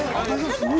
すごい。